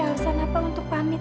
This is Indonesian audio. aku pake alasan apa untuk pamit ya